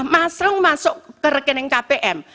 masang masuk ke rekening kpm